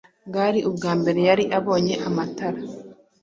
bwari ubwambere yari abonye amatara.